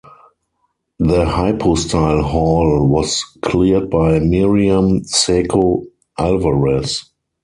The Hypostyle Hall was cleared by Myriam Seco Alvarez.